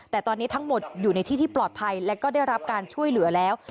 แต่ตอนนี้ทั้งหมดอยู่ในที่ที่ปลอดภัยและก็ได้รับการช่วยเหลือแล้ว